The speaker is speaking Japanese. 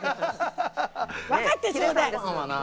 分かってちょうだい！